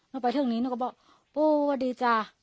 ไปถึงนี้หนูก็บอกปูสวัสดีจ้ะ